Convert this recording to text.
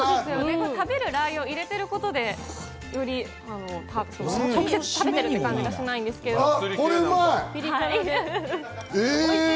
食べるラー油を入れていることで、直接食べているという感じがしないんですけれども。